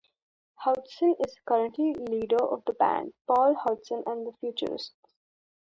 Housden is currently leader of the band, Paul Housden and the Futurists.